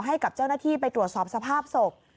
ให้กับเจ้าหน้าที่ไปตรวจสอบสภาพศพ